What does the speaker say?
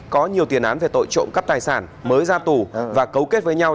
có nhiều tiền án về tội trộm cắp tài sản mới ra tù và cấu kết với nhau